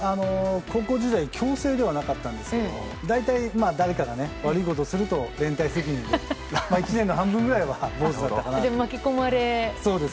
高校時代強制ではなかったんですけど大体、誰かが悪いことをすると連帯責任で１年の半分ぐらいは坊主だったかなって。